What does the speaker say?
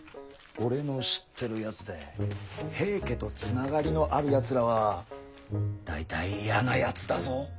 俺の知ってるやつで平家と繋がりのあるやつらは大体嫌なやつだぞ。